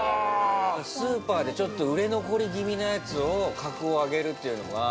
スーパーでちょっと売れ残り気味なやつを格を上げるっていうのが。